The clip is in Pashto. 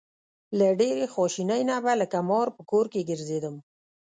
له ډېرې خواشینۍ نه به لکه مار په کور کې ګرځېدم.